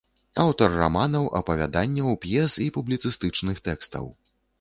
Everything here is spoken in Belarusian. Аўтар раманаў, апавяданняў, п'ес і публіцыстычных тэкстаў.